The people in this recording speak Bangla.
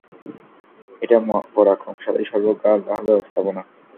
এটা পরাক্রমশালী, সর্বজ্ঞ আল্লাহর ব্যবস্থাপনা।